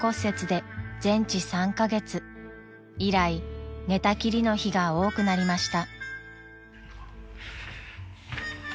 ［以来寝たきりの日が多くなりました］